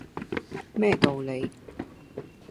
咩道理